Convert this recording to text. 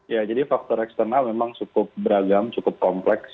ya jadi faktor eksternal memang cukup beragam cukup kompleks